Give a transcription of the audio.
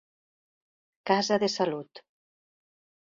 Casa de salut.